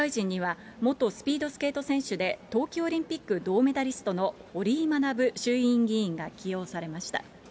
内閣府副大臣には元スピードスケート選手で冬季オリンピック銅メダリストの堀井学衆院議員が起用されました。